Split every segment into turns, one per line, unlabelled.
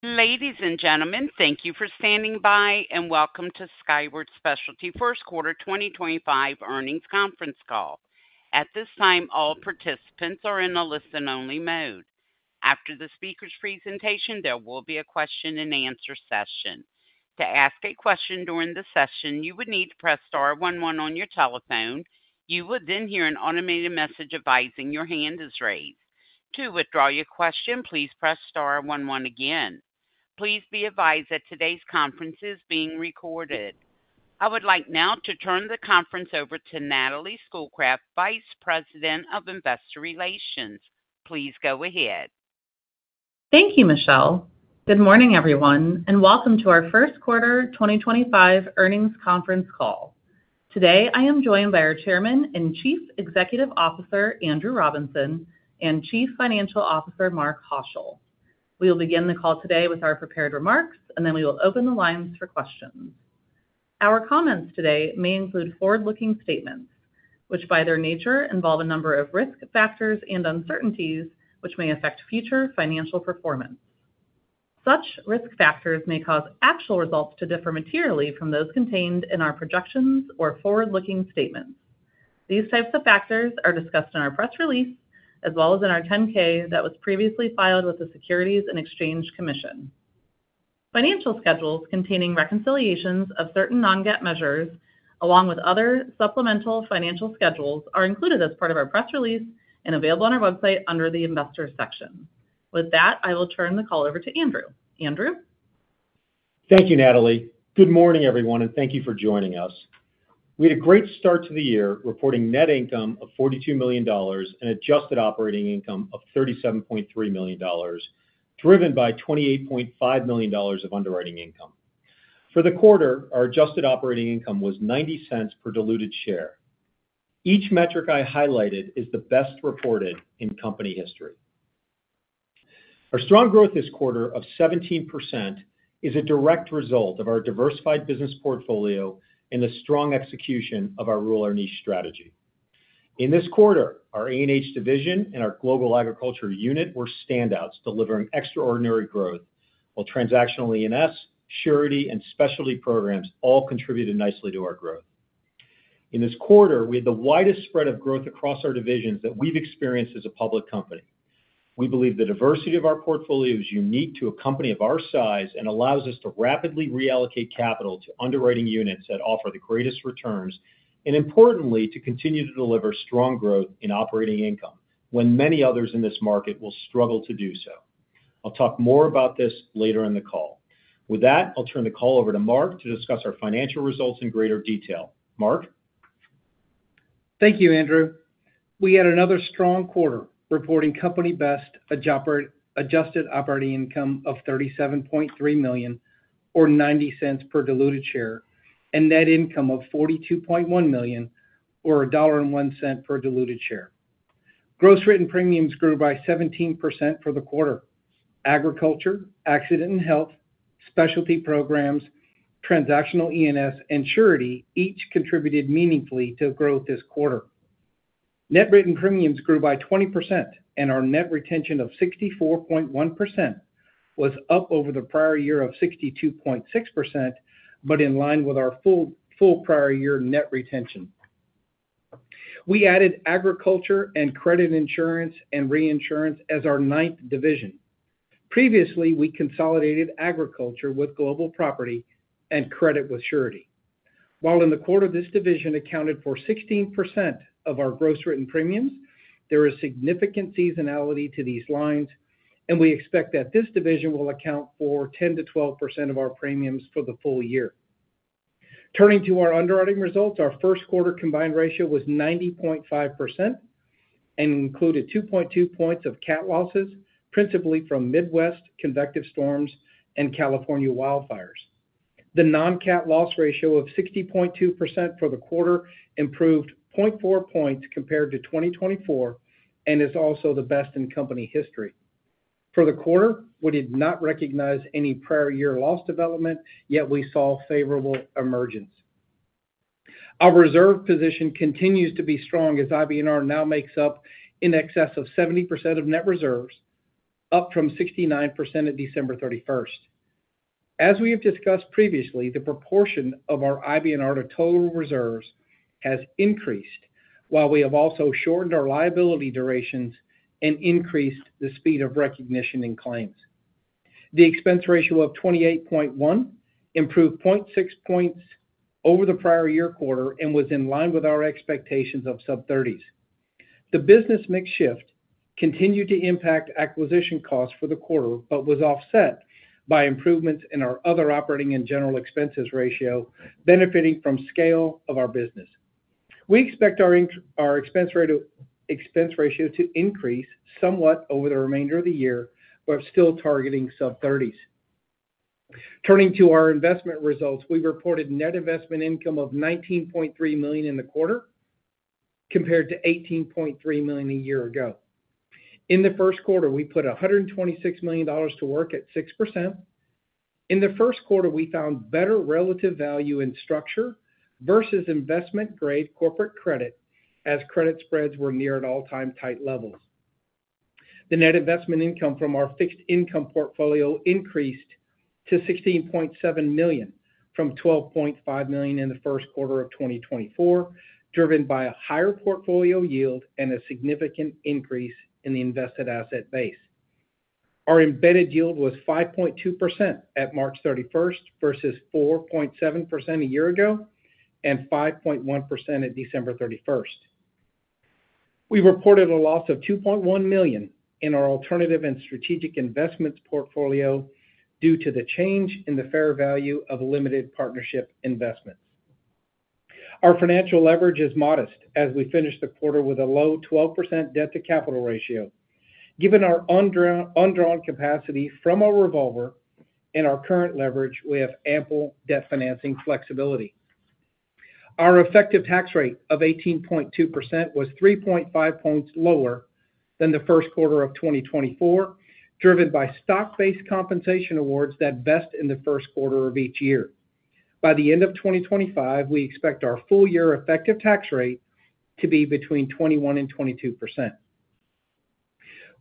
Ladies and gentlemen, thank you for standing by, and welcome to Skyward Specialty First Quarter 2025 Earnings Conference Call. At this time, all participants are in a listen-only mode. After the speaker's presentation, there will be a question-and-answer session. To ask a question during the session, you would need to press star one one on your telephone. You will then hear an automated message advising your hand is raised. To withdraw your question, please press star one one again. Please be advised that today's conference is being recorded. I would like now to turn the conference over to Natalie Schoolcraft, Vice President of Investor Relations. Please go ahead.
Thank you, Michelle. Good morning, everyone, and welcome to our First Quarter 2025 Earnings Conference Call. Today, I am joined by our Chairman and Chief Executive Officer, Andrew Robinson, and Chief Financial Officer, Mark Haushill. We will begin the call today with our prepared remarks, and then we will open the lines for questions. Our comments today may include forward-looking statements, which by their nature involve a number of risk factors and uncertainties which may affect future financial performance. Such risk factors may cause actual results to differ materially from those contained in our projections or forward-looking statements. These types of factors are discussed in our press release, as well as in our 10-K that was previously filed with the Securities and Exchange Commission. Financial schedules containing reconciliations of certain non-GAAP measures, along with other supplemental financial schedules, are included as part of our press release and available on our website under the Investor section. With that, I will turn the call over to Andrew. Andrew.
Thank you, Natalie. Good morning, everyone, and thank you for joining us. We had a great start to the year reporting net income of $42 million and adjusted operating income of $37.3 million, driven by $28.5 million of underwriting income. For the quarter, our adjusted operating income was $0.90 per diluted share. Each metric I highlighted is the best reported in company history. Our strong growth this quarter of 17% is a direct result of our diversified business portfolio and the strong execution of our Rule Our Niche strategy. In this quarter, our A&H division and our Global Agriculture unit were standouts, delivering extraordinary growth, while Transactional E&S, Surety, and Specialty Programs all contributed nicely to our growth. In this quarter, we had the widest spread of growth across our divisions that we've experienced as a public company. We believe the diversity of our portfolio is unique to a company of our size and allows us to rapidly reallocate capital to underwriting units that offer the greatest returns and, importantly, to continue to deliver strong growth in operating income when many others in this market will struggle to do so. I'll talk more about this later in the call. With that, I'll turn the call over to Mark to discuss our financial results in greater detail. Mark.
Thank you, Andrew. We had another strong quarter reporting company-best adjusted operating income of $37.3 million, or $0.90 per diluted share, and net income of $42.1 million, or $1.01 per diluted share. Gross written premiums grew by 17% for the quarter. Agriculture, Accident and Health, Specialty Programs, Transactional E&S, and Surety each contributed meaningfully to growth this quarter. Net written premiums grew by 20%, and our net retention of 64.1% was up over the prior year of 62.6%, but in line with our full prior year net retention. We added Agriculture and Credit Insurance and Reinsurance as our ninth division. Previously, we consolidated Agriculture with Global Property and Credit with Surety. While in the quarter, this division accounted for 16% of our gross written premiums, there is significant seasonality to these lines, and we expect that this division will account for 10%-12% of our premiums for the full year. Turning to our underwriting results, our first quarter combined ratio was 90.5% and included 2.2 points of Cat losses, principally from Midwest convective storms and California wildfires. The non-Cat loss ratio of 60.2% for the quarter improved 0.4 points compared to 2024 and is also the best in company history. For the quarter, we did not recognize any prior year loss development, yet we saw favorable emergence. Our reserve position continues to be strong as IBNR now makes up in excess of 70% of net reserves, up from 69% at December 31st. As we have discussed previously, the proportion of our IBNR to total reserves has increased, while we have also shortened our liability durations and increased the speed of recognition in claims. The expense ratio of 28.1% improved 0.6 points over the prior year quarter and was in line with our expectations of sub-30%. The business mix shift continued to impact acquisition costs for the quarter but was offset by improvements in our other operating and general expenses ratio, benefiting from scale of our business. We expect our expense ratio to increase somewhat over the remainder of the year, but still targeting sub-30%. Turning to our investment results, we reported net investment income of $19.3 million in the quarter compared to $18.3 million a year ago. In the first quarter, we put $126 million to work at 6%. In the first quarter, we found better relative value and structure versus investment-grade corporate credit as credit spreads were near at all-time tight levels. The net investment income from our fixed income portfolio increased to $16.7 million from $12.5 million in the first quarter of 2024, driven by a higher portfolio yield and a significant increase in the invested asset base. Our embedded yield was 5.2% at March 31st versus 4.7% a year ago and 5.1% at December 31st. We reported a loss of $2.1 million in our alternative and strategic investments portfolio due to the change in the fair value of limited partnership investments. Our financial leverage is modest as we finished the quarter with a low 12% debt-to-capital ratio. Given our undrawn capacity from our revolver and our current leverage, we have ample debt financing flexibility. Our effective tax rate of 18.2% was 3.5 percentage points lower than the first quarter of 2024, driven by stock-based compensation awards that vest in the first quarter of each year. By the end of 2025, we expect our full-year effective tax rate to be between 21% and 22%.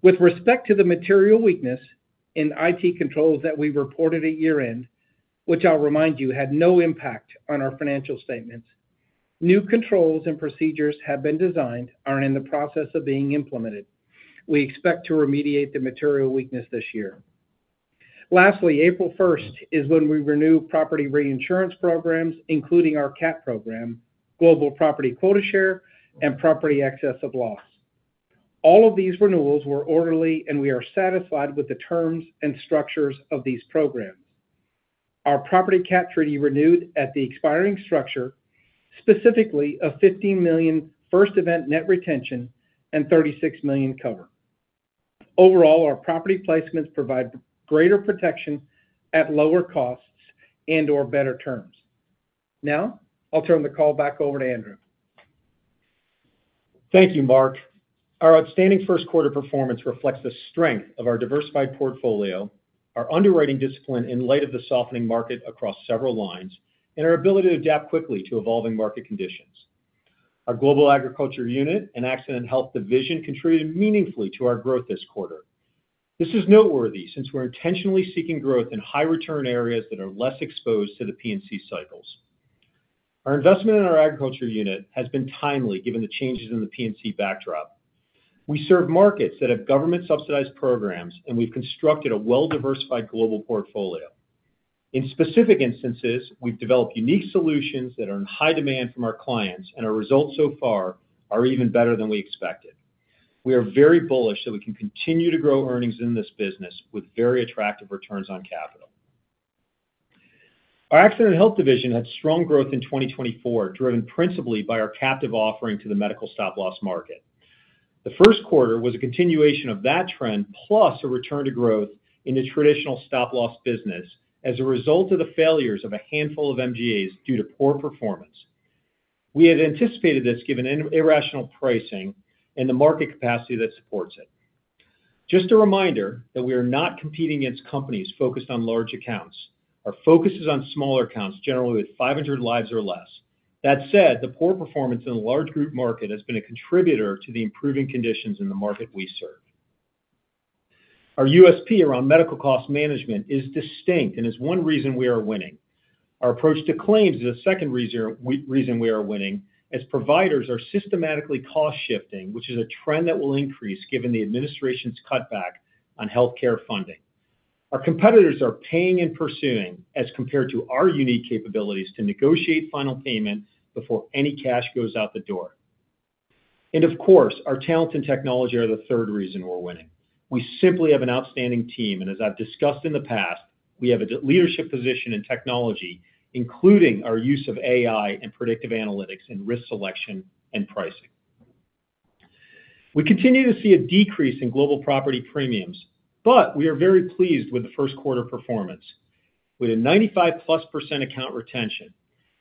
With respect to the material weakness in IT controls that we reported at year-end, which I'll remind you had no impact on our financial statements, new controls and procedures have been designed and are in the process of being implemented. We expect to remediate the material weakness this year. Lastly, April 1 is when we renew property reinsurance programs, including our Cat program, Global Property quota share, and property excess of loss. All of these renewals were orderly, and we are satisfied with the terms and structures of these programs. Our property Cat treaty renewed at the expiring structure, specifically a $15 million first event net retention and $36 million cover. Overall, our property placements provide greater protection at lower costs and/or better terms. Now, I'll turn the call back over to Andrew.
Thank you, Mark. Our outstanding first quarter performance reflects the strength of our diversified portfolio, our underwriting discipline in light of the softening market across several lines, and our ability to adapt quickly to evolving market conditions. Our Global Agriculture unit and Accident and Health division contributed meaningfully to our growth this quarter. This is noteworthy since we're intentionally seeking growth in high-return areas that are less exposed to the P&C cycles. Our investment in our agriculture unit has been timely given the changes in the P&C backdrop. We serve markets that have government-subsidized programs, and we've constructed a well-diversified global portfolio. In specific instances, we've developed unique solutions that are in high demand from our clients, and our results so far are even better than we expected. We are very bullish that we can continue to grow earnings in this business with very attractive returns on capital. Our Accident and Health division had strong growth in 2024, driven principally by our captive offering to the medical stop-loss market. The first quarter was a continuation of that trend, plus a return to growth in the traditional stop-loss business as a result of the failures of a handful of MGAs due to poor performance. We had anticipated this given irrational pricing and the market capacity that supports it. Just a reminder that we are not competing against companies focused on large accounts. Our focus is on smaller accounts, generally with 500 lives or less. That said, the poor performance in the large group market has been a contributor to the improving conditions in the market we serve. Our USP around medical cost management is distinct and is one reason we are winning. Our approach to claims is a second reason we are winning as providers are systematically cost-shifting, which is a trend that will increase given the administration's cutback on healthcare funding. Our competitors are paying and pursuing as compared to our unique capabilities to negotiate final payment before any cash goes out the door. Of course, our talents in technology are the third reason we're winning. We simply have an outstanding team, and as I've discussed in the past, we have a leadership position in technology, including our use of AI and predictive analytics in risk selection and pricing. We continue to see a decrease in Global Property premiums, but we are very pleased with the first quarter performance. We had a 95% plus account retention.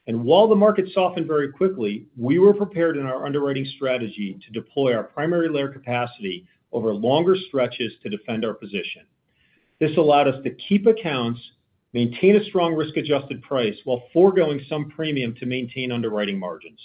While the market softened very quickly, we were prepared in our underwriting strategy to deploy our primary layer capacity over longer stretches to defend our position. This allowed us to keep accounts, maintain a strong risk-adjusted price, while foregoing some premium to maintain underwriting margins.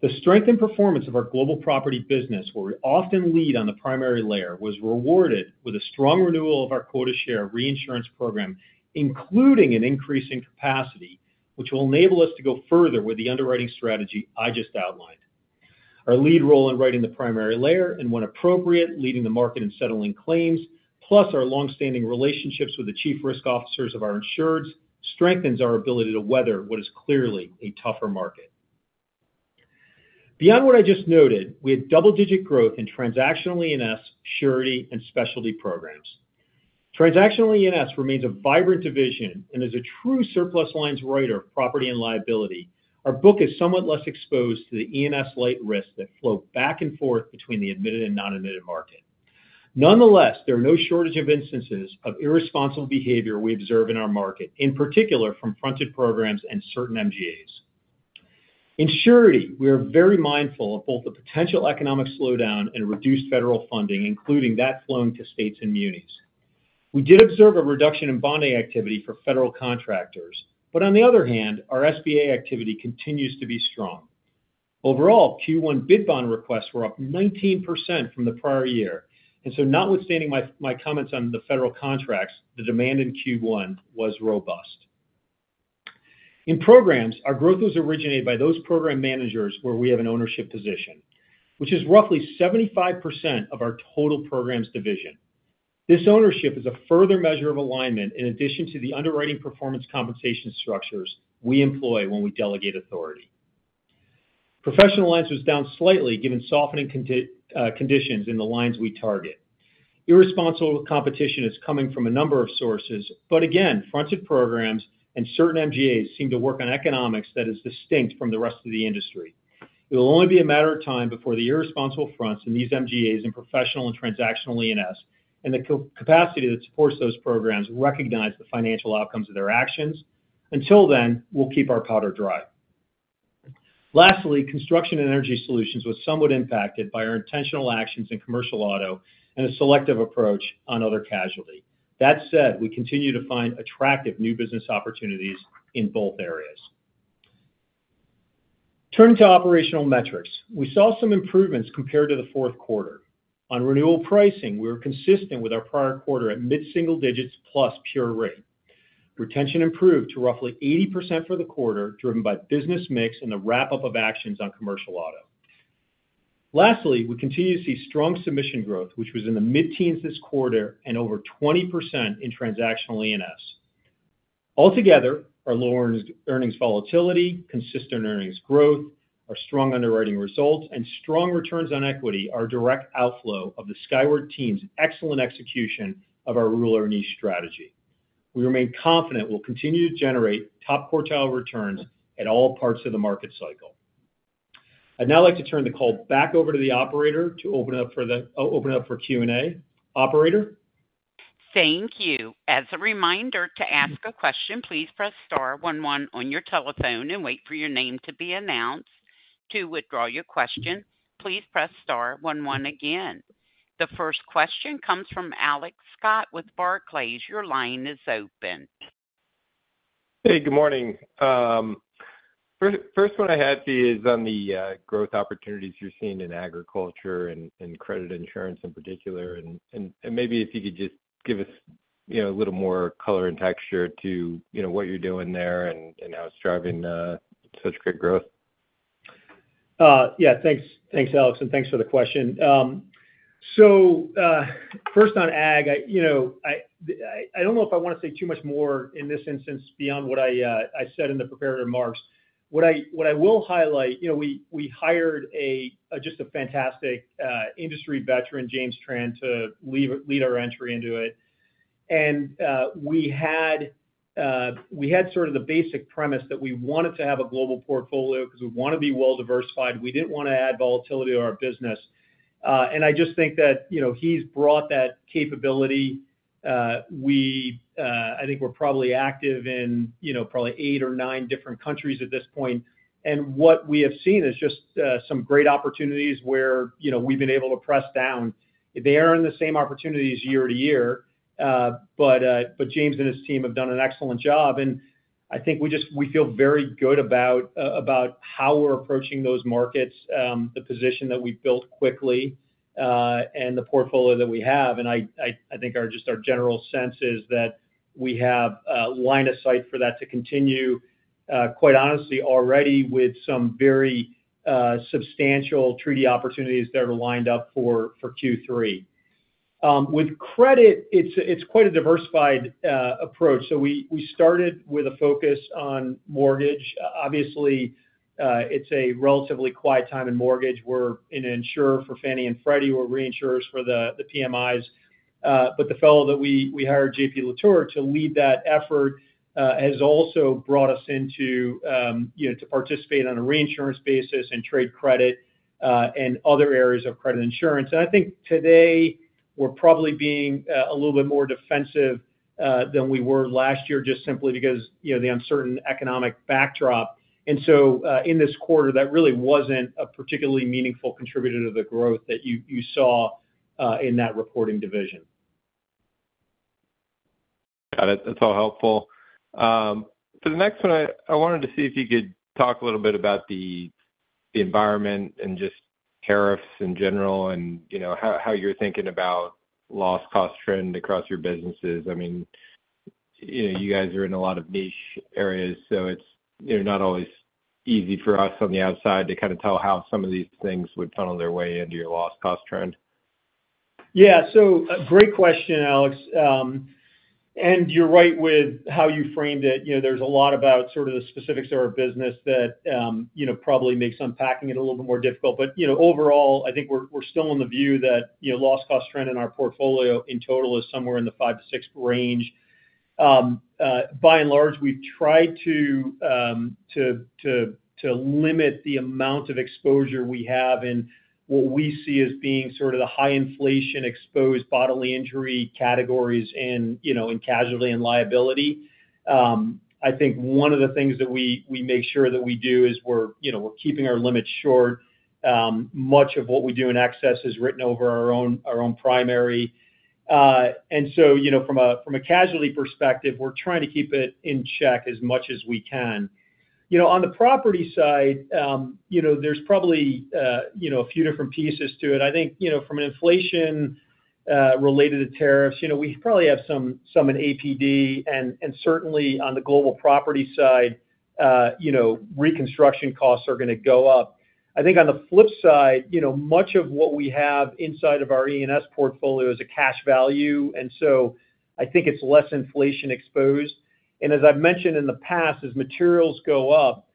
The strength and performance of our Global Property business, where we often lead on the primary layer, was rewarded with a strong renewal of our quota share reinsurance program, including an increase in capacity, which will enable us to go further with the underwriting strategy I just outlined. Our lead role in writing the primary layer and, when appropriate, leading the market in settling claims, plus our long-standing relationships with the chief risk officers of our insureds, strengthens our ability to weather what is clearly a tougher market. Beyond what I just noted, we had double-digit growth in Transactional E&S, Surety, and Specialty programs. Transactional E&S remains a vibrant division and is a true surplus lines writer of property and liability. Our book is somewhat less exposed to the E&S light risks that flow back and forth between the admitted and non-admitted market. Nonetheless, there are no shortage of instances of irresponsible behavior we observe in our market, in particular from fronted programs and certain MGAs. In surety, we are very mindful of both the potential economic slowdown and reduced federal funding, including that flowing to states and munis. We did observe a reduction in bonding activity for federal contractors, but on the other hand, our SBA activity continues to be strong. Overall, Q1 bid bond requests were up 19% from the prior year. Notwithstanding my comments on the federal contracts, the demand in Q1 was robust. In programs, our growth was originated by those program managers where we have an ownership position, which is roughly 75% of our total programs division. This ownership is a further measure of alignment in addition to the underwriting performance compensation structures we employ when we delegate authority. Professional Lines was down slightly given softening conditions in the lines we target. Irresponsible competition is coming from a number of sources, but again, fronted programs and certain MGAs seem to work on economics that is distinct from the rest of the industry. It will only be a matter of time before the irresponsible fronts in these MGAs and professional and transactional E&S and the capacity that supports those programs recognize the financial outcomes of their actions. Until then, we'll keep our powder dry. Lastly, Construction and Energy solutions were somewhat impacted by our intentional actions in Commercial Auto and a selective approach on other casualty. That said, we continue to find attractive new business opportunities in both areas. Turning to operational metrics, we saw some improvements compared to the fourth quarter. On renewal pricing, we were consistent with our prior quarter at mid-single digits plus pure rate. Retention improved to roughly 80% for the quarter, driven by business mix and the wrap-up of actions on Commercial Auto. Lastly, we continue to see strong submission growth, which was in the mid-teens this quarter and over 20% in Transactional E&S. Altogether, our lower earnings volatility, consistent earnings growth, our strong underwriting results, and strong returns on equity are direct outflow of the Skyward Team's excellent execution of our Rule Our Niche strategy. We remain confident we'll continue to generate top quartile returns at all parts of the market cycle. I'd now like to turn the call back over to the operator to open it up for Q&A. Operator.
Thank you. As a reminder to ask a question, please press star one one on your telephone and wait for your name to be announced. To withdraw your question, please press star one one again. The first question comes from Alex Scott with Barclays. Your line is open.
Hey, good morning. First, what I had for you is on the growth opportunities you're seeing in agriculture and credit insurance in particular. Maybe if you could just give us a little more color and texture to what you're doing there and how it's driving such great growth.
Yeah, thanks, Alex, and thanks for the question. First on ag, I do not know if I want to say too much more in this instance beyond what I said in the preparatory remarks. What I will highlight, we hired just a fantastic industry veteran, James Tran, to lead our entry into it. We had sort of the basic premise that we wanted to have a global portfolio because we want to be well-diversified. We did not want to add volatility to our business. I just think that he has brought that capability. I think we are probably active in probably eight or nine different countries at this point. What we have seen is just some great opportunities where we have been able to press down. They are not the same opportunities year to year, but James and his team have done an excellent job. I think we feel very good about how we're approaching those markets, the position that we built quickly, and the portfolio that we have. I think just our general sense is that we have a line of sight for that to continue, quite honestly, already with some very substantial treaty opportunities that are lined up for Q3. With credit, it's quite a diversified approach. We started with a focus on mortgage. Obviously, it's a relatively quiet time in mortgage. We're in insurance for Fannie and Freddie. We're reinsurers for the PMIs. The fellow that we hired, JP Latour, to lead that effort has also brought us into participating on a reinsurance basis in trade credit and other areas of credit insurance. I think today we're probably being a little bit more defensive than we were last year just simply because of the uncertain economic backdrop. In this quarter, that really wasn't a particularly meaningful contributor to the growth that you saw in that reporting division.
Got it. That's all helpful. For the next one, I wanted to see if you could talk a little bit about the environment and just tariffs in general and how you're thinking about the loss cost trend across your businesses. I mean, you guys are in a lot of niche areas, so it's not always easy for us on the outside to kind of tell how some of these things would funnel their way into your loss cost trend.
Yeah, great question, Alex. You're right with how you framed it. There's a lot about the specifics of our business that probably makes unpacking it a little bit more difficult. Overall, I think we're still in the view that the loss cost trend in our portfolio in total is somewhere in the 5-6% range. By and large, we've tried to limit the amount of exposure we have in what we see as being the high inflation exposed bodily injury categories and casualty and liability. I think one of the things that we make sure that we do is we're keeping our limits short. Much of what we do in excess is written over our own primary. From a casualty perspective, we're trying to keep it in check as much as we can. On the property side, there's probably a few different pieces to it. I think from an inflation related to tariffs, we probably have some in APD. Certainly, on the global property side, reconstruction costs are going to go up. I think on the flip side, much of what we have inside of our E&S portfolio is a cash value. I think it's less inflation exposed. As I've mentioned in the past, as materials go up,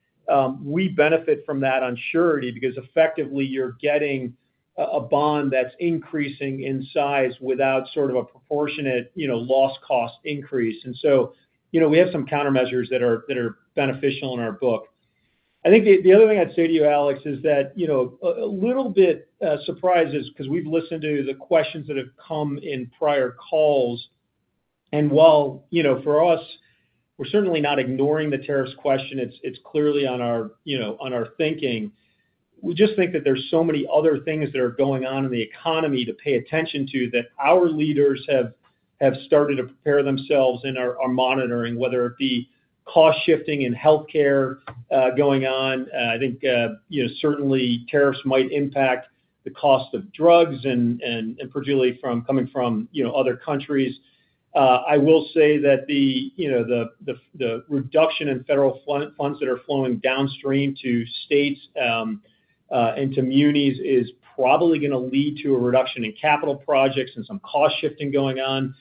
we benefit from that unsurety because effectively you're getting a bond that's increasing in size without sort of a proportionate loss cost increase. We have some countermeasures that are beneficial in our book. I think the other thing I'd say to you, Alex, is that a little bit surprises because we've listened to the questions that have come in prior calls. While for us, we're certainly not ignoring the tariffs question, it's clearly on our thinking. We just think that there are so many other things that are going on in the economy to pay attention to that our leaders have started to prepare themselves and are monitoring, whether it be cost shifting in healthcare going on. I think certainly tariffs might impact the cost of drugs and particularly coming from other countries. I will say that the reduction in federal funds that are flowing downstream to states and to munis is probably going to lead to a reduction in capital projects and some cost shifting going on.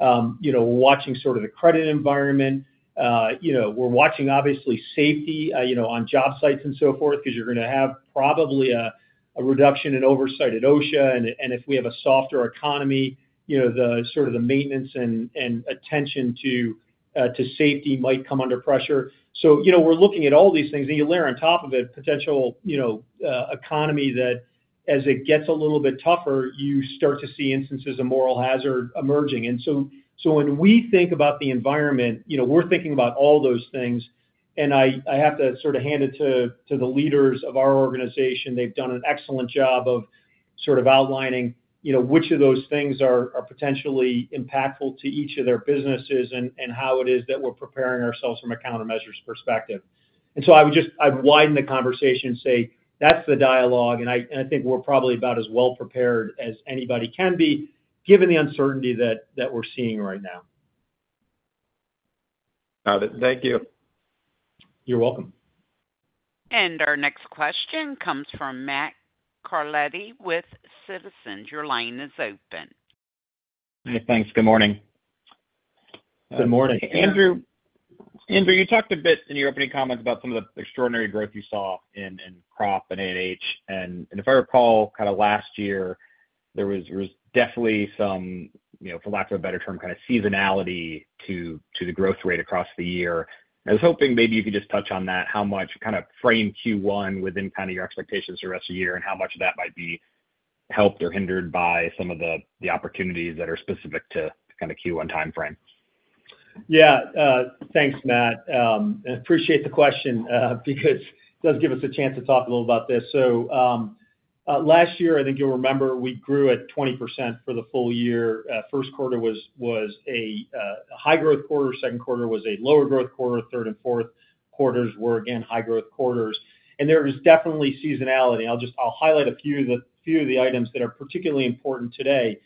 We're watching sort of the credit environment. We're watching obviously safety on job sites and so forth because you're going to have probably a reduction in oversight at OSHA. If we have a softer economy, sort of the maintenance and attention to safety might come under pressure. We are looking at all these things. You layer on top of it potential economy that as it gets a little bit tougher, you start to see instances of moral hazard emerging. When we think about the environment, we are thinking about all those things. I have to sort of hand it to the leaders of our organization. They have done an excellent job of sort of outlining which of those things are potentially impactful to each of their businesses and how it is that we are preparing ourselves from a countermeasure's perspective. I would widen the conversation and say, "That's the dialogue." I think we are probably about as well prepared as anybody can be given the uncertainty that we are seeing right now.
Got it. Thank you.
You're welcome.
Our next question comes from Matt Carletti with Citizens. Your line is open.
Thanks. Good morning.
Good morning.
Andrew, you talked a bit in your opening comments about some of the extraordinary growth you saw in crop and A&H. If I recall, kind of last year, there was definitely some, for lack of a better term, kind of seasonality to the growth rate across the year. I was hoping maybe you could just touch on that, how much kind of frame Q1 within kind of your expectations for the rest of the year and how much of that might be helped or hindered by some of the opportunities that are specific to kind of Q1 timeframe.
Yeah. Thanks, Matt. I appreciate the question because it does give us a chance to talk a little about this. Last year, I think you'll remember, we grew at 20% for the full year. First quarter was a high growth quarter. Second quarter was a lower growth quarter. Third and fourth quarters were, again, high growth quarters. There is definitely seasonality. I'll highlight a few of the items that are particularly important today.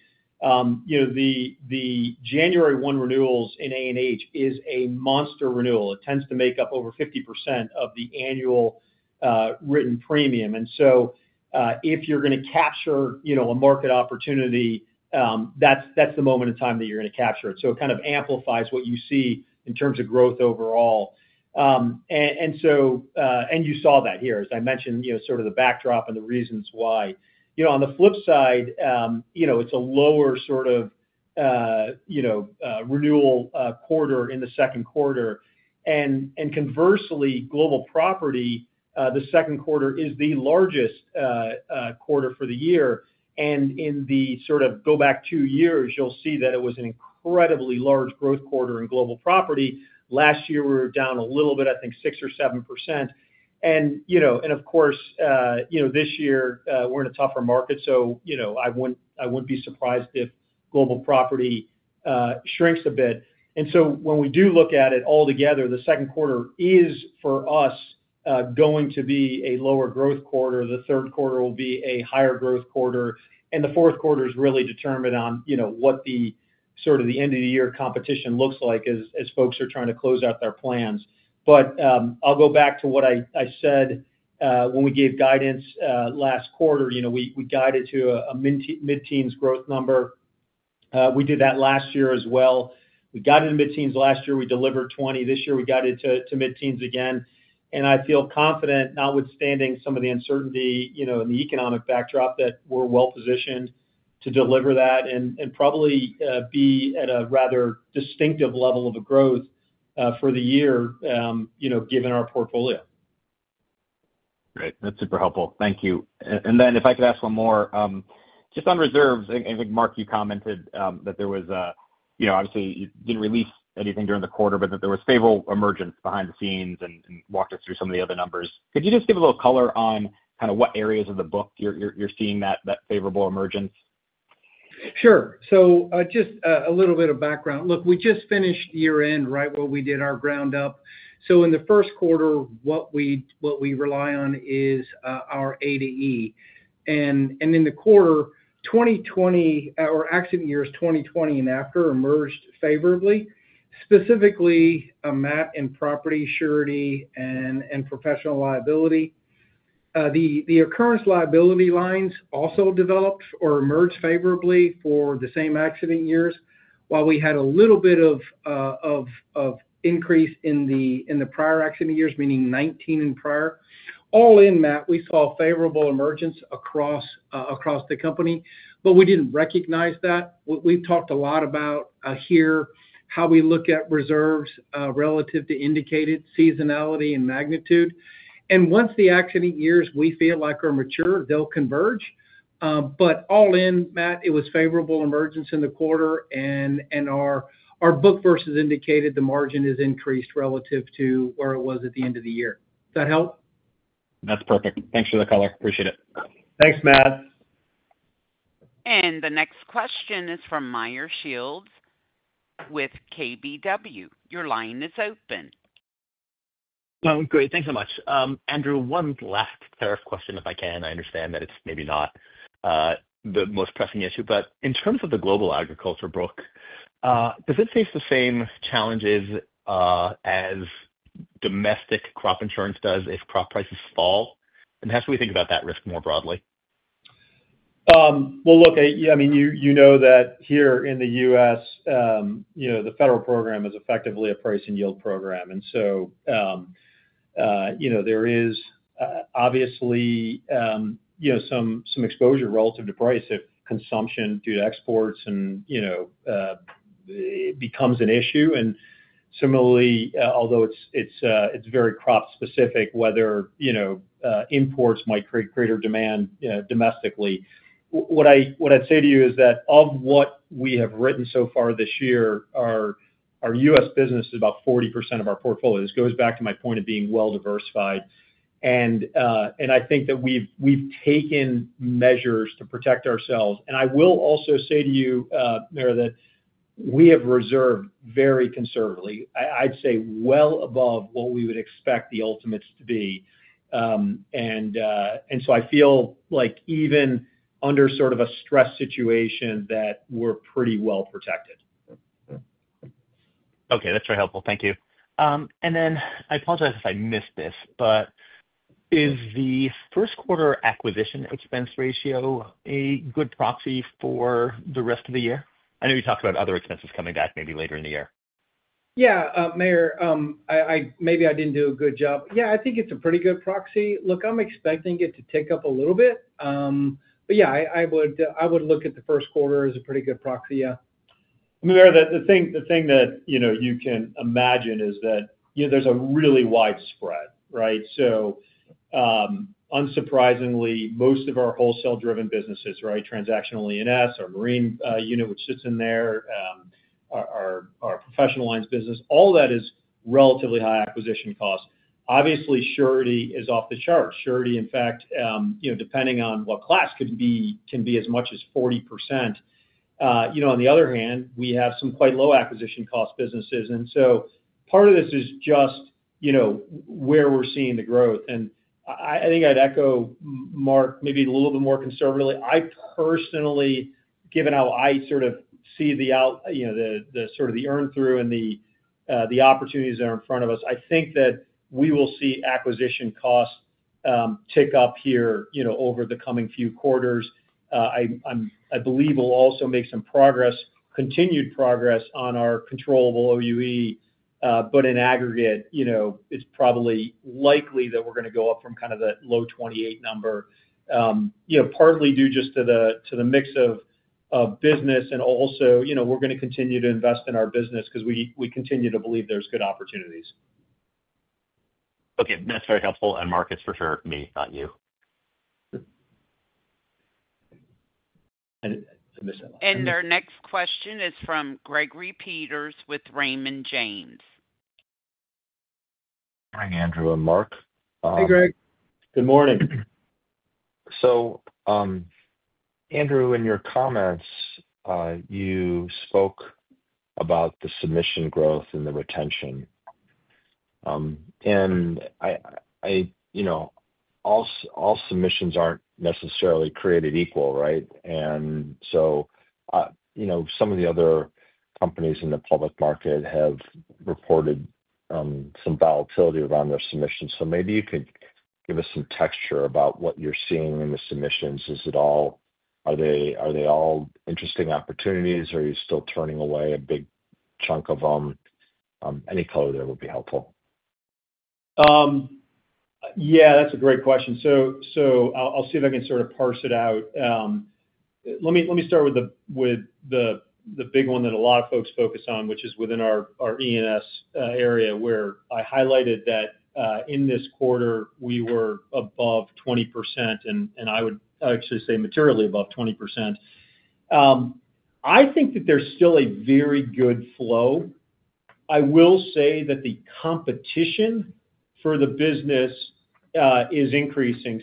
The January 1 renewals in A&H is a monster renewal. It tends to make up over 50% of the annual written premium. If you're going to capture a market opportunity, that's the moment in time that you're going to capture it. It kind of amplifies what you see in terms of growth overall. You saw that here, as I mentioned, sort of the backdrop and the reasons why. On the flip side, it's a lower sort of renewal quarter in the second quarter. Conversely, global property, the second quarter is the largest quarter for the year. In the sort of go back two years, you'll see that it was an incredibly large growth quarter in global property. Last year, we were down a little bit, I think 6% or 7%. Of course, this year, we're in a tougher market. I wouldn't be surprised if global property shrinks a bit. When we do look at it all together, the second quarter is for us going to be a lower growth quarter. The third quarter will be a higher growth quarter. The fourth quarter is really determined on what sort of the end of the year competition looks like as folks are trying to close out their plans. I'll go back to what I said when we gave guidance last quarter. We guided to a mid-teens growth number. We did that last year as well. We got into mid-teens last year. We delivered 20. This year, we got into mid-teens again. I feel confident, notwithstanding some of the uncertainty in the economic backdrop, that we're well positioned to deliver that and probably be at a rather distinctive level of growth for the year given our portfolio.
Great. That's super helpful. Thank you. If I could ask one more, just on reserves, I think, Mark, you commented that there was obviously you did not release anything during the quarter, but that there was favorable emergence behind the scenes and walked us through some of the other numbers. Could you just give a little color on kind of what areas of the book you're seeing that favorable emergence?
Sure. Just a little bit of background. Look, we just finished year-end, right, where we did our ground up. In the first quarter, what we rely on is our A/E. In the quarter, accident years 2020 and after emerged favorably, specifically, Matt, in property, surety, and professional liability. The occurrence liability lines also developed or emerged favorably for the same accident years, while we had a little bit of increase in the prior accident years, meaning 2019 and prior. All in, Matt, we saw favorable emergence across the company, but we did not recognize that. We have talked a lot about here, how we look at reserves relative to indicated seasonality and magnitude. Once the accident years we feel like are mature, they will converge. All in, Matt, it was favorable emergence in the quarter. Our book versus indicated, the margin is increased relative to where it was at the end of the year. Does that help?
That's perfect. Thanks for the color. Appreciate it.
Thanks, Matt.
The next question is from Meyer Shields with KBW. Your line is open.
Great. Thanks so much. Andrew, one last tariff question, if I can. I understand that it's maybe not the most pressing issue, but in terms of the global agriculture book, does it face the same challenges as domestic crop insurance does if crop prices fall? How should we think about that risk more broadly?
I mean, you know that here in the U.S., the federal program is effectively a price and yield program. There is obviously some exposure relative to price if consumption due to exports becomes an issue. Similarly, although it is very crop specific, whether imports might create greater demand domestically. What I would say to you is that of what we have written so far this year, our U.S. business is about 40% of our portfolio. This goes back to my point of being well diversified. I think that we have taken measures to protect ourselves. I will also say to you, Meyer, that we have reserved very conservatively. I would say well above what we would expect the ultimates to be. I feel like even under sort of a stress situation, that we are pretty well protected.
Okay. That's very helpful. Thank you. I apologize if I missed this, but is the first quarter acquisition expense ratio a good proxy for the rest of the year? I know you talked about other expenses coming back maybe later in the year.
Yeah, Meyer, maybe I didn't do a good job. Yeah, I think it's a pretty good proxy. Look, I'm expecting it to tick up a little bit. Yeah, I would look at the first quarter as a pretty good proxy, yeah.
Meyer, the thing that you can imagine is that there's a really wide spread, right? Unsurprisingly, most of our wholesale-driven businesses, Transactional E&S, our Marine unit, which sits in there, our Professional lines business, all that is relatively high acquisition cost. Obviously, Surety is off the chart. Surety, in fact, depending on what class, could be, can be as much as 40%. On the other hand, we have some quite low acquisition cost businesses. Part of this is just where we're seeing the growth. I think I'd echo Mark maybe a little bit more conservatively. I personally, given how I sort of see the sort of the earn-through and the opportunities that are in front of us, I think that we will see acquisition costs tick up here over the coming few quarters. I believe we'll also make some progress, continued progress on our controllable OUE. In aggregate, it's probably likely that we're going to go up from kind of that low 28 number, partly due just to the mix of business. Also, we're going to continue to invest in our business because we continue to believe there's good opportunities.
Okay. That's very helpful. And Mark is for sure me, not you.
Our next question is from Gregory Peters with Raymond James.
Hi, Andrew and Mark.
Hey, Greg.
Good morning.
Andrew, in your comments, you spoke about the submission growth and the retention. All submissions are not necessarily created equal, right? Some of the other companies in the public market have reported some volatility around their submissions. Maybe you could give us some texture about what you are seeing in the submissions. Are they all interesting opportunities? Are you still turning away a big chunk of them? Any color there would be helpful.
Yeah, that's a great question. I'll see if I can sort of parse it out. Let me start with the big one that a lot of folks focus on, which is within our E&S area, where I highlighted that in this quarter, we were above 20%, and I would actually say materially above 20%. I think that there's still a very good flow. I will say that the competition for the business is increasing.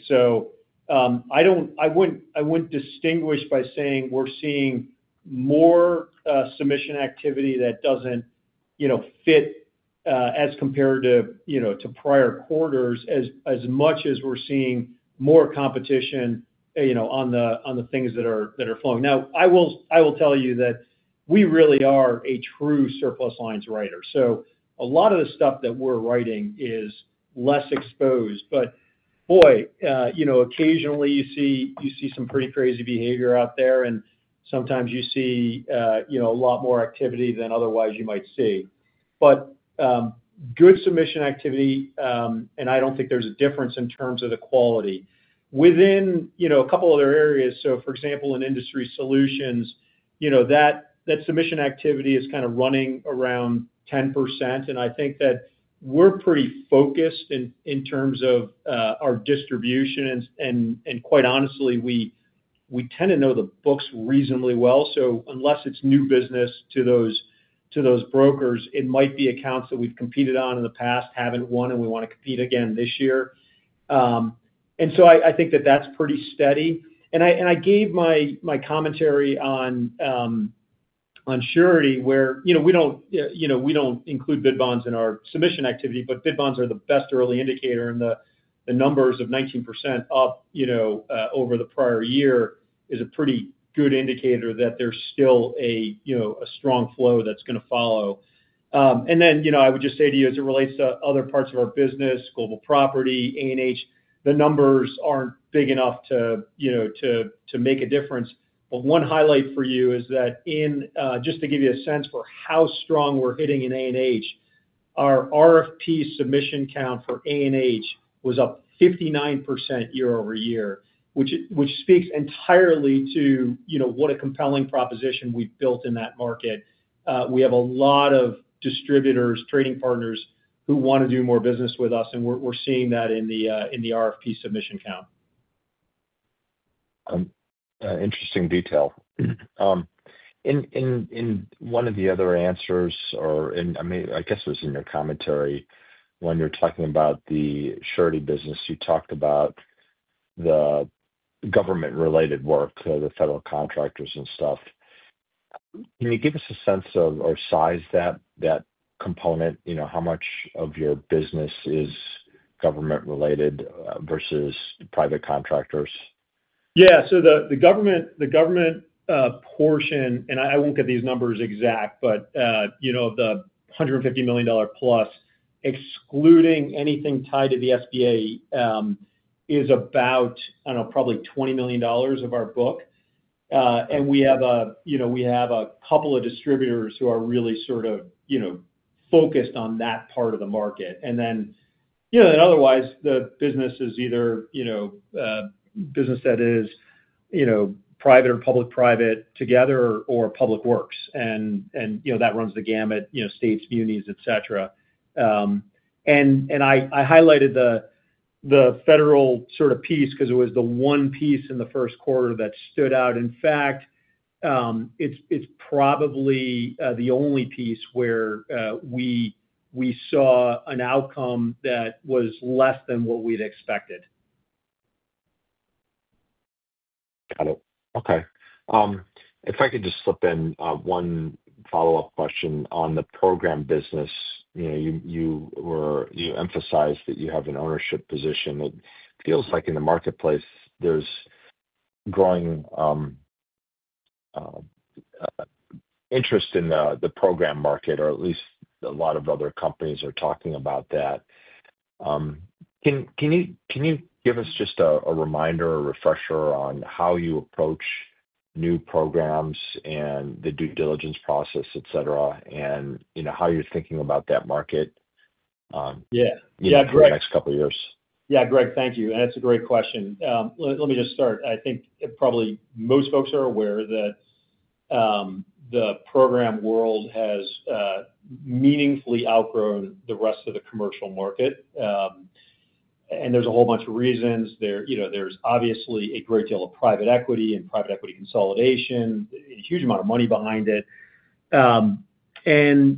I wouldn't distinguish by saying we're seeing more submission activity that doesn't fit as compared to prior quarters as much as we're seeing more competition on the things that are flowing. I will tell you that we really are a true surplus lines writer. A lot of the stuff that we're writing is less exposed. But boy, occasionally you see some pretty crazy behavior out there. Sometimes you see a lot more activity than otherwise you might see. Good submission activity, and I do not think there is a difference in terms of the quality. Within a couple of other areas, for example, in Industry Solutions, that submission activity is kind of running around 10%. I think that we are pretty focused in terms of our distribution. Quite honestly, we tend to know the books reasonably well. Unless it is new business to those brokers, it might be accounts that we have competed on in the past, have not won, and we want to compete again this year. I think that is pretty steady. I gave my commentary on surety, where we do not include bid bonds in our submission activity, but bid bonds are the best early indicator. The numbers of 19% up over the prior year is a pretty good indicator that there's still a strong flow that's going to follow. I would just say to you, as it relates to other parts of our business, Global Property, A&H, the numbers are not big enough to make a difference. One highlight for you is that just to give you a sense for how strong we're hitting in A&H, our RFP submission count for A&H was up 59% year-over-year, which speaks entirely to what a compelling proposition we've built in that market. We have a lot of distributors, trading partners who want to do more business with us. We're seeing that in the RFP submission count.
Interesting detail. In one of the other answers, or I guess it was in your commentary, when you're talking about the surety business, you talked about the government-related work, the federal contractors and stuff. Can you give us a sense of or size that component? How much of your business is government-related versus private contractors?
Yeah. The government portion, and I won't get these numbers exact, but the $150 million plus, excluding anything tied to the SBA, is about, I don't know, probably $20 million of our book. We have a couple of distributors who are really sort of focused on that part of the market. Otherwise, the business is either business that is private or public-private together or public works. That runs the gamut, states, munis, etc. I highlighted the federal sort of piece because it was the one piece in the first quarter that stood out. In fact, it's probably the only piece where we saw an outcome that was less than what we'd expected.
Got it. Okay. If I could just slip in one follow-up question on the program business. You emphasized that you have an ownership position. It feels like in the marketplace, there's growing interest in the program market, or at least a lot of other companies are talking about that. Can you give us just a reminder, a refresher on how you approach new programs and the due diligence process, etc., and how you're thinking about that market over the next couple of years?
Yeah, Greg, thank you. That is a great question. Let me just start. I think probably most folks are aware that the program world has meaningfully outgrown the rest of the commercial market. There is a whole bunch of reasons. There is obviously a great deal of private equity and private equity consolidation, a huge amount of money behind it. I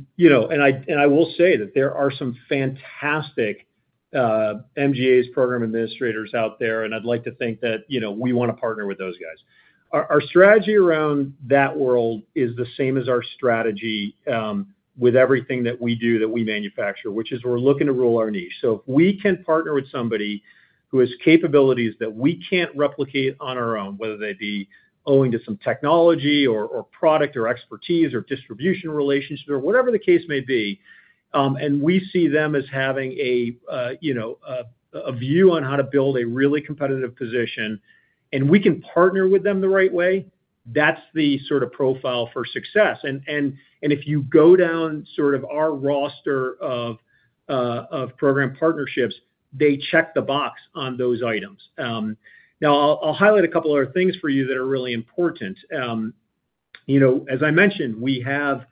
will say that there are some fantastic MGAs, program administrators out there. I would like to think that we want to partner with those guys. Our strategy around that world is the same as our strategy with everything that we do that we manufacture, which is we are looking to rule our niche. If we can partner with somebody who has capabilities that we can't replicate on our own, whether they be owing to some technology or product or expertise or distribution relationship or whatever the case may be, and we see them as having a view on how to build a really competitive position, and we can partner with them the right way, that's the sort of profile for success. If you go down sort of our roster of program partnerships, they check the box on those items. I will highlight a couple of other things for you that are really important. As I mentioned, we have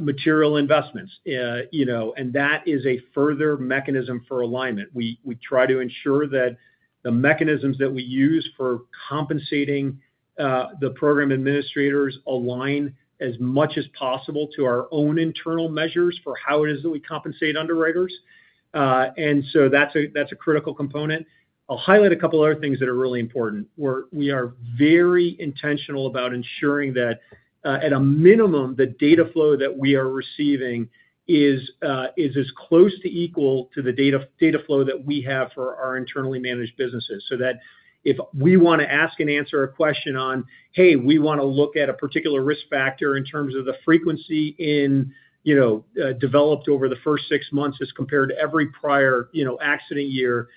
material investments. That is a further mechanism for alignment. We try to ensure that the mechanisms that we use for compensating the program administrators align as much as possible to our own internal measures for how it is that we compensate underwriters. That's a critical component. I'll highlight a couple of other things that are really important. We are very intentional about ensuring that, at a minimum, the data flow that we are receiving is as close to equal to the data flow that we have for our internally managed businesses. If we want to ask and answer a question on, "Hey, we want to look at a particular risk factor in terms of the frequency developed over the first six months as compared to every prior accident year,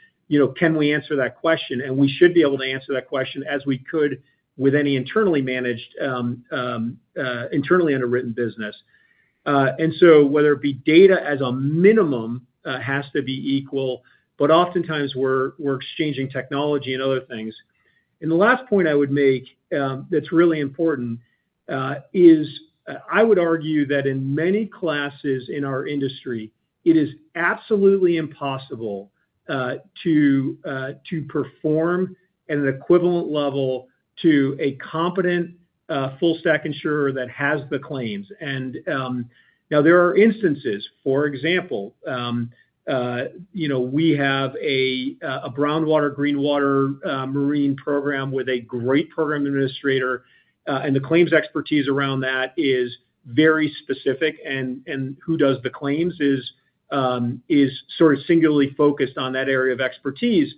can we answer that question?" We should be able to answer that question as we could with any internally managed, internally underwritten business. Whether it be data, as a minimum, it has to be equal, but oftentimes we're exchanging technology and other things. The last point I would make that's really important is I would argue that in many classes in our industry, it is absolutely impossible to perform at an equivalent level to a competent full-stack insurer that has the claims. There are instances, for example, we have a brown water, green water marine program with a great program administrator. The claims expertise around that is very specific. Who does the claims is sort of singularly focused on that area of expertise.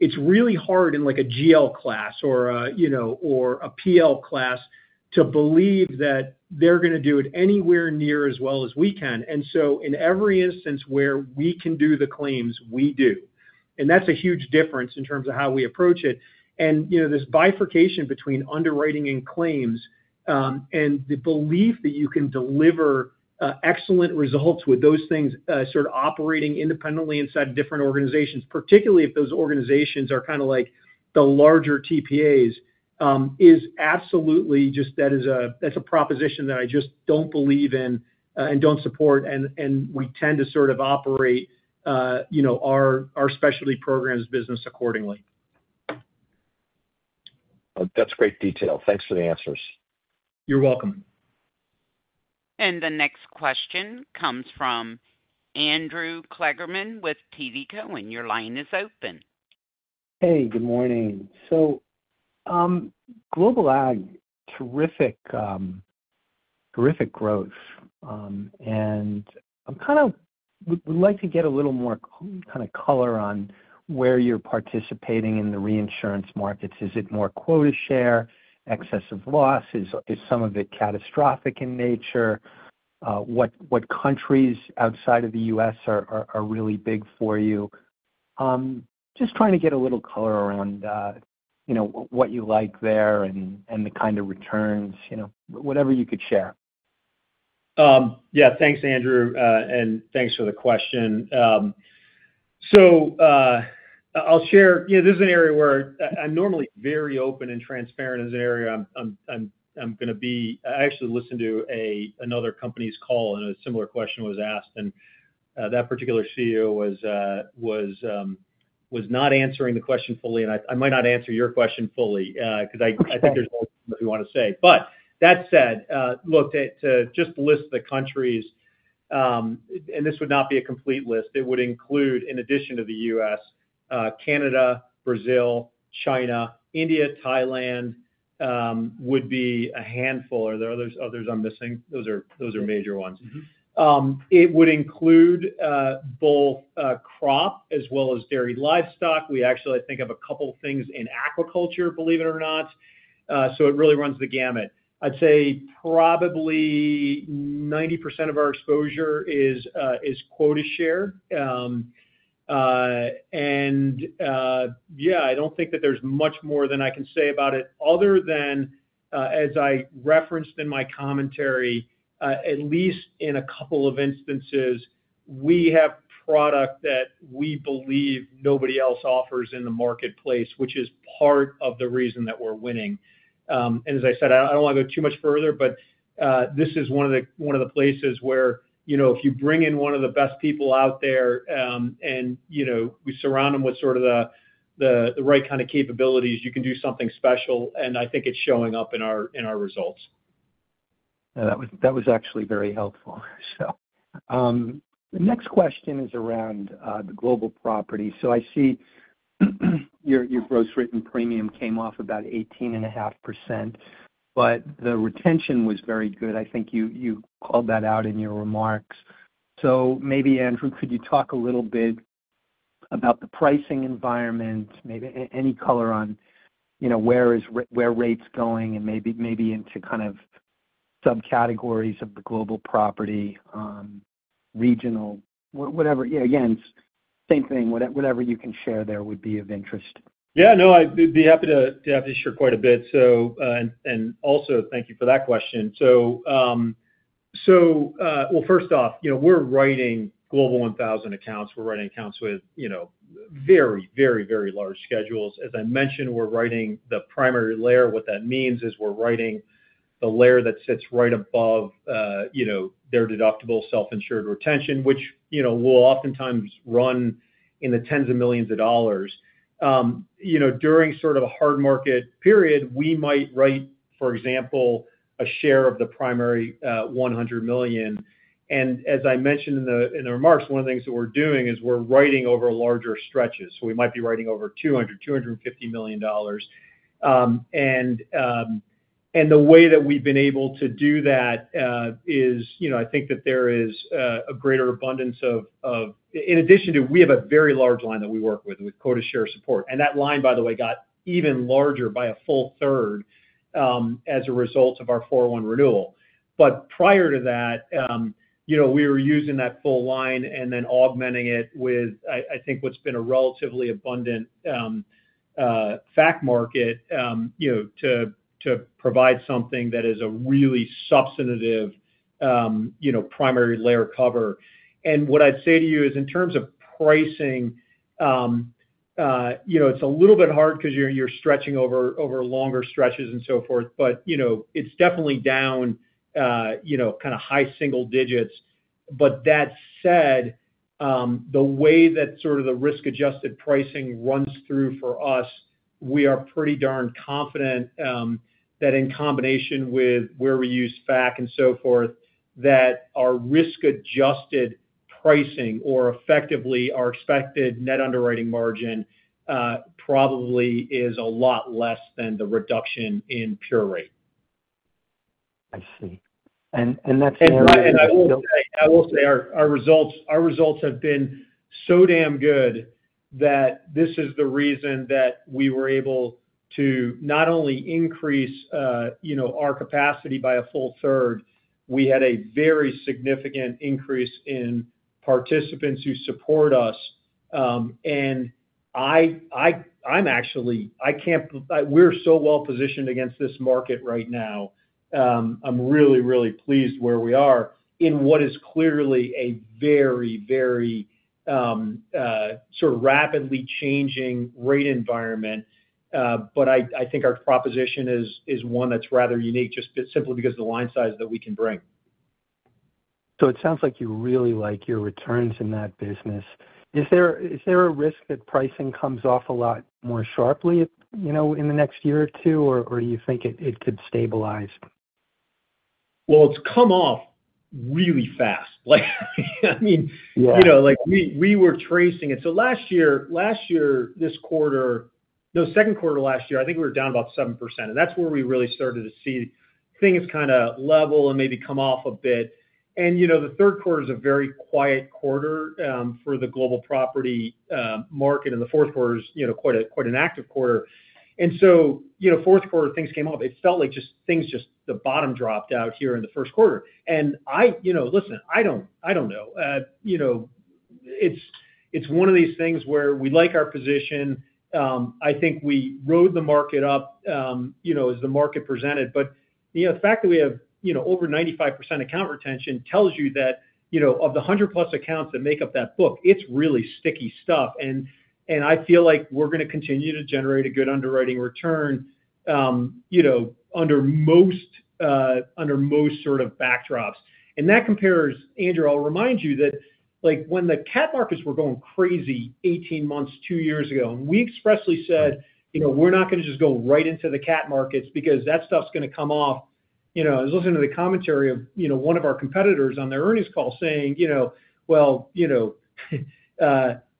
It's really hard in a GL class or a PL class to believe that they're going to do it anywhere near as well as we can. In every instance where we can do the claims, we do. That's a huge difference in terms of how we approach it. There is bifurcation between underwriting and claims and the belief that you can deliver excellent results with those things sort of operating independently inside different organizations, particularly if those organizations are kind of like the larger TPAs, is absolutely just that's a proposition that I just do not believe in and do not support. We tend to sort of operate our specialty programs business accordingly.
That's great detail. Thanks for the answers.
You're welcome.
The next question comes from Andrew Kligerman with TD Cowen. Your line is open.
Good morning. Global Ag, terrific growth. I'm kind of would like to get a little more color on where you're participating in the reinsurance markets. Is it more quota share, excessive loss? Is some of it catastrophic in nature? What countries outside of the U.S. are really big for you? Just trying to get a little color around what you like there and the kind of returns, whatever you could share.
Yeah, thanks, Andrew. Thanks for the question. I'll share. This is an area where I'm normally very open and transparent as an area. I'm going to be I actually listened to another company's call, and a similar question was asked. That particular CEO was not answering the question fully. I might not answer your question fully because I think there's more you want to say. That said, look, to just list the countries, and this would not be a complete list. It would include, in addition to the U.S., Canada, Brazil, China, India, Thailand would be a handful. Are there others I'm missing? Those are major ones. It would include both crop as well as dairy livestock. We actually, I think, have a couple of things in aquaculture, believe it or not. It really runs the gamut. I'd say probably 90% of our exposure is quota share. I don't think that there's much more than I can say about it other than, as I referenced in my commentary, at least in a couple of instances, we have product that we believe nobody else offers in the marketplace, which is part of the reason that we're winning. As I said, I don't want to go too much further, but this is one of the places where if you bring in one of the best people out there and we surround them with sort of the right kind of capabilities, you can do something special. I think it's showing up in our results.
That was actually very helpful. The next question is around the global property. I see your gross written premium came off about 18.5%, but the retention was very good. I think you called that out in your remarks. Maybe, Andrew, could you talk a little bit about the pricing environment, maybe any color on where rates are going and maybe into kind of subcategories of the global property, regional, whatever? Yeah, again, same thing. Whatever you can share there would be of interest.
Yeah, no, I'd be happy to share quite a bit. Also, thank you for that question. First off, we're writing Global 1000 accounts. We're writing accounts with very, very, very large schedules. As I mentioned, we're writing the primary layer. What that means is we're writing the layer that sits right above their deductible self-insured retention, which will oftentimes run in the tens of millions of dollars. During sort of a hard market period, we might write, for example, a share of the primary $100 million. As I mentioned in the remarks, one of the things that we're doing is we're writing over larger stretches. We might be writing over $200 million-$250 million. The way that we've been able to do that is I think that there is a greater abundance of, in addition to we have a very large line that we work with, with quota share support. That line, by the way, got even larger by a full third as a result of our 4/1 renewal. Prior to that, we were using that full line and then augmenting it with, I think, what's been a relatively abundant Fac market to provide something that is a really substantive primary layer cover. What I'd say to you is in terms of pricing, it's a little bit hard because you're stretching over longer stretches and so forth, but it's definitely down kind of high single digits. That said, the way that sort of the risk-adjusted pricing runs through for us, we are pretty darn confident that in combination with where we use Fac and so forth, that our risk-adjusted pricing or effectively our expected net underwriting margin probably is a lot less than the reduction in pure rate.
I see. That is an area that still.
I will say our results have been so damn good that this is the reason that we were able to not only increase our capacity by a full third, we had a very significant increase in participants who support us. I'm actually, we're so well positioned against this market right now. I'm really, really pleased where we are in what is clearly a very, very sort of rapidly changing rate environment. I think our proposition is one that's rather unique just simply because of the line size that we can bring.
It sounds like you really like your returns in that business. Is there a risk that pricing comes off a lot more sharply in the next year or two, or do you think it could stabilize?
It's come off really fast. I mean, we were tracing it. Last year, this quarter, no, second quarter last year, I think we were down about 7%. That's where we really started to see things kind of level and maybe come off a bit. The third quarter is a very quiet quarter for the global property market. The fourth quarter is quite an active quarter. Fourth quarter, things came off. It felt like just things just the bottom dropped out here in the first quarter. Listen, I don't know. It's one of these things where we like our position. I think we rode the market up as the market presented. The fact that we have over 95% account retention tells you that of the 100-plus accounts that make up that book, it's really sticky stuff. I feel like we're going to continue to generate a good underwriting return under most sort of backdrops. That compares, Andrew, I'll remind you that when the cat markets were going crazy 18 months, 2 years ago, and we expressly said, "We're not going to just go right into the cat markets because that stuff's going to come off." I was listening to the commentary of one of our competitors on their earnings call saying, "Well, the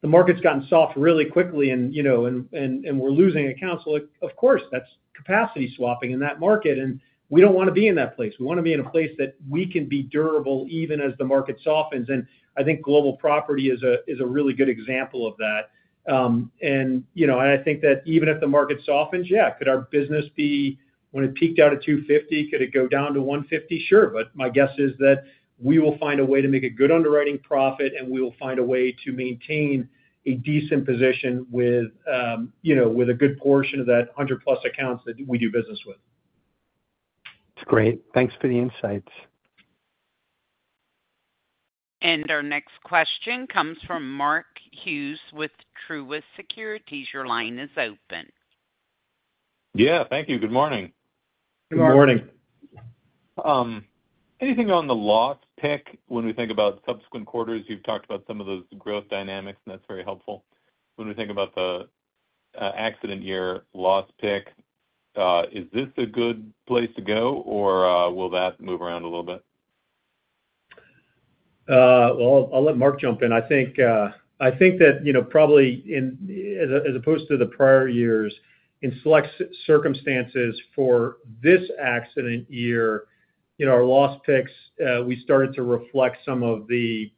market's gotten soft really quickly, and we're losing accounts." Of course, that's capacity swapping in that market. We don't want to be in that place. We want to be in a place that we can be durable even as the market softens. I think global property is a really good example of that. I think that even if the market softens, yeah, could our business be when it peaked out at 250, could it go down to 150? Sure. My guess is that we will find a way to make a good underwriting profit, and we will find a way to maintain a decent position with a good portion of that 100-plus accounts that we do business with.
That's great. Thanks for the insights.
Our next question comes from Mark Hughes with Truist Securities. Your line is open.
Yeah. Thank you. Good morning.
Good morning.
Anything on the loss pick when we think about subsequent quarters? You've talked about some of those growth dynamics, and that's very helpful. When we think about the accident year loss pick, is this a good place to go, or will that move around a little bit?
I will let Mark jump in. I think that probably as opposed to the prior years, in select circumstances for this accident year, our loss picks, we started to reflect some of the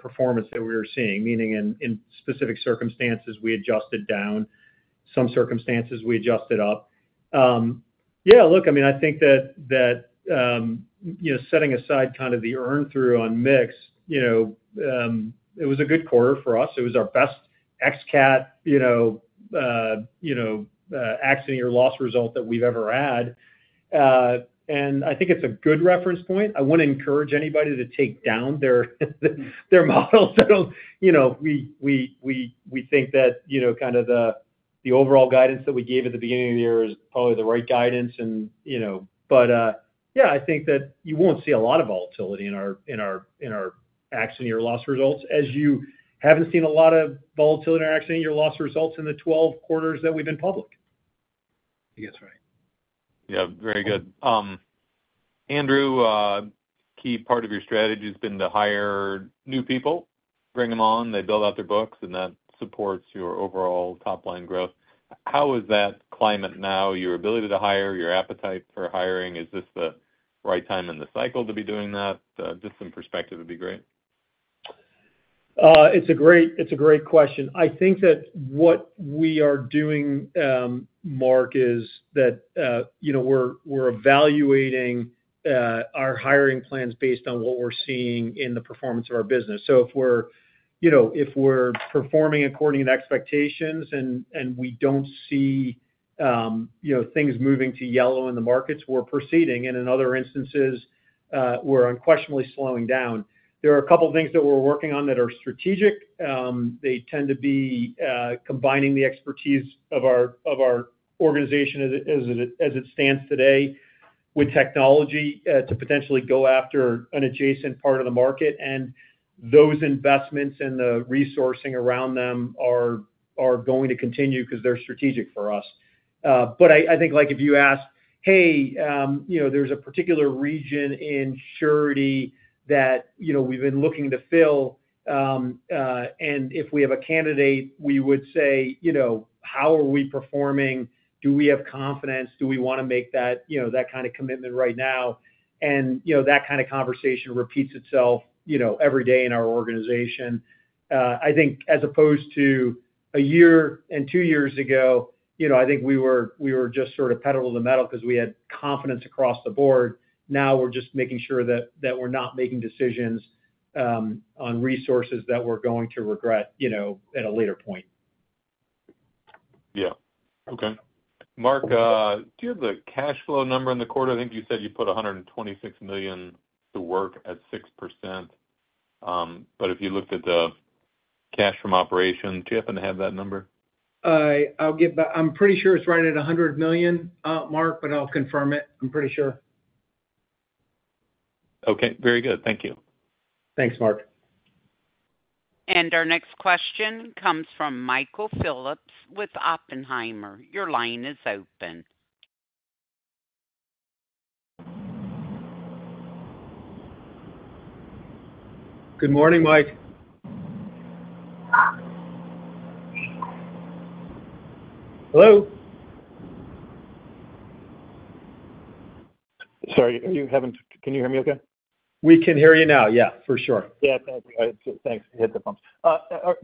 performance that we were seeing, meaning in specific circumstances, we adjusted down. Some circumstances, we adjusted up. Yeah, look, I mean, I think that setting aside kind of the earn-through on mix, it was a good quarter for us. It was our best ex-cat accident year loss result that we have ever had. I think it is a good reference point. I want to encourage anybody to take down their models. We think that kind of the overall guidance that we gave at the beginning of the year is probably the right guidance. Yeah, I think that you won't see a lot of volatility in our accident year loss results as you haven't seen a lot of volatility in our accident year loss results in the 12 quarters that we've been public. I think that's right.
Yeah, very good. Andrew, key part of your strategy has been to hire new people, bring them on, they build out their books, and that supports your overall top-line growth. How is that climate now? Your ability to hire, your appetite for hiring? Is this the right time in the cycle to be doing that? Just some perspective would be great.
It's a great question. I think that what we are doing, Mark, is that we're evaluating our hiring plans based on what we're seeing in the performance of our business. If we're performing according to expectations and we don't see things moving to yellow in the markets, we're proceeding. In other instances, we're unquestionably slowing down. There are a couple of things that we're working on that are strategic. They tend to be combining the expertise of our organization as it stands today with technology to potentially go after an adjacent part of the market. Those investments and the resourcing around them are going to continue because they're strategic for us. I think if you ask, "Hey, there's a particular region in surety that we've been looking to fill," and if we have a candidate, we would say, "How are we performing? Do we have confidence? Do we want to make that kind of commitment right now? That kind of conversation repeats itself every day in our organization. I think as opposed to a year and two years ago, I think we were just sort of pedal to the metal because we had confidence across the board. Now we're just making sure that we're not making decisions on resources that we're going to regret at a later point.
Yeah. Okay. Mark, do you have the cash flow number in the quarter? I think you said you put $126 million to work at 6%. But if you looked at the cash from operations, do you happen to have that number?
I'm pretty sure it's right at $100 million, Mark, but I'll confirm it. I'm pretty sure.
Okay. Very good. Thank you.
Thanks, Mark.
Our next question comes from Michael Phillips with Oppenheimer. Your line is open.
Good morning, Mike. Hello.
Sorry, are you having—can you hear me okay?
We can hear you now. Yeah, for sure.
Yeah. Thank you. Thanks. You hit the phone.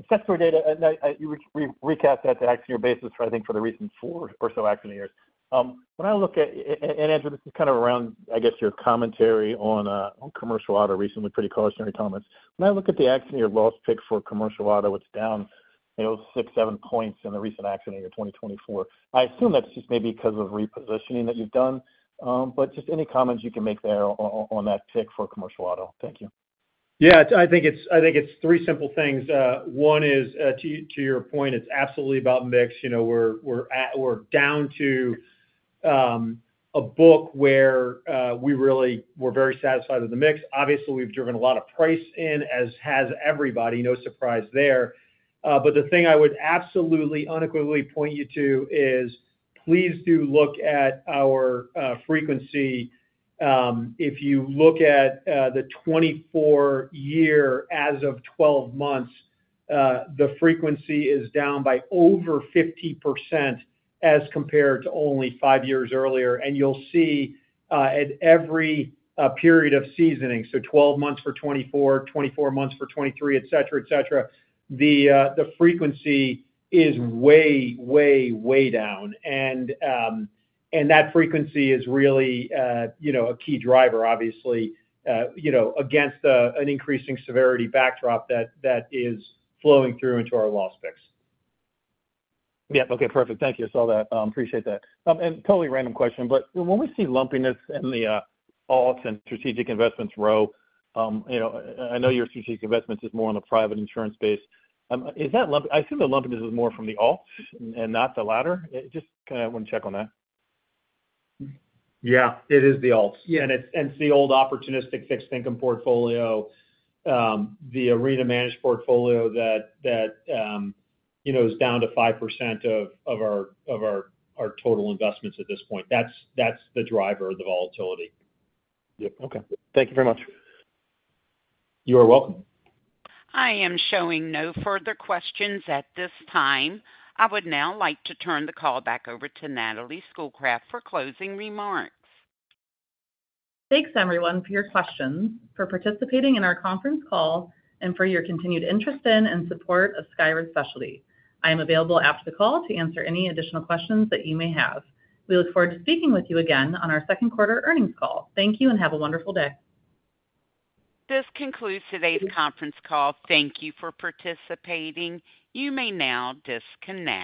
Sector data, you recap that accident year basis for, I think, for the recent four or so accident years. When I look at—and Andrew, this is kind of around, I guess, your commentary on commercial auto recently, pretty cautionary comments. When I look at the accident year loss pick for commercial auto, it's down 6-7 points in the recent accident year 2024. I assume that's just maybe because of repositioning that you've done. Just any comments you can make there on that pick for commercial auto? Thank you.
Yeah. I think it's three simple things. One is, to your point, it's absolutely about mix. We're down to a book where we really were very satisfied with the mix. Obviously, we've driven a lot of price in, as has everybody. No surprise there. The thing I would absolutely unequivocally point you to is please do look at our frequency. If you look at the 2024 year as of 12 months, the frequency is down by over 50% as compared to only five years earlier. You will see at every period of seasoning—so 12 months for 2024, 24 months for 2023, etc., etc.—the frequency is way, way, way down. That frequency is really a key driver, obviously, against an increasing severity backdrop that is flowing through into our loss picks.
Yeah. Okay. Perfect. Thank you. I saw that. Appreciate that. Totally random question, but when we see lumpiness in the alts and strategic investments row, I know your strategic investments is more on the private insurance base. Is that lumpiness? I assume the lumpiness is more from the alts and not the latter. Just kind of want to check on that.
Yeah. It is the alts. And it's the old opportunistic fixed income portfolio, the Arena-managed portfolio that is down to 5% of our total investments at this point. That's the driver of the volatility.
Yeah. Okay. Thank you very much.
You're welcome.
I am showing no further questions at this time. I would now like to turn the call back over to Natalie Schoolcraft for closing remarks.
Thanks, everyone, for your questions, for participating in our conference call, and for your continued interest in and support of Skyward Specialty. I am available after the call to answer any additional questions that you may have. We look forward to speaking with you again on our second quarter earnings call. Thank you and have a wonderful day.
This concludes today's conference call. Thank you for participating. You may now disconnect.